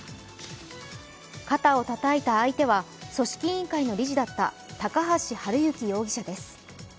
肩をたたいた相手は組織委員会の理事だった高橋治之容疑者です。